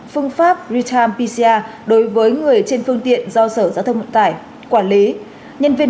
phương pháp retarm pca đối với người trên phương tiện do sở giao thông vận tải quản lý nhân viên